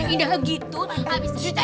indah gitu abis itu